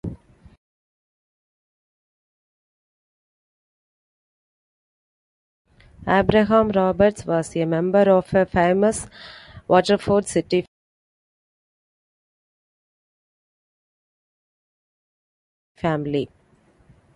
Abraham Roberts was a member of a famous Waterford city family.